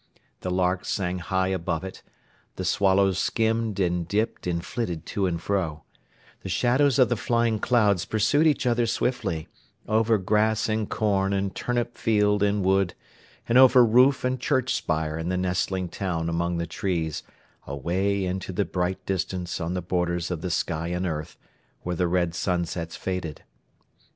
The larks sang high above it; the swallows skimmed and dipped and flitted to and fro; the shadows of the flying clouds pursued each other swiftly, over grass and corn and turnip field and wood, and over roof and church spire in the nestling town among the trees, away into the bright distance on the borders of the sky and earth, where the red sunsets faded.